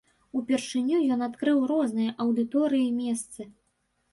Упершыню ён адкрыў розныя аўдыторыі і месцы.